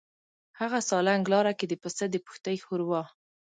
هغه سالنګ لاره کې د پسه د پښتۍ ښوروا.